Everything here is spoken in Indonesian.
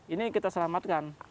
ini kita selamatkan